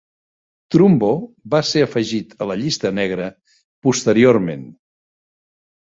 Trumbo va ser afegit a la llista negra posteriorment.